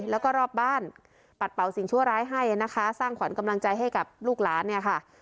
แล้วก็รอบบ้านปัดเป่าสิ่งชั่วร้ายให้นะคะสร้างขวัญกำลังใจให้กับลูกหลานเนี่ยค่ะ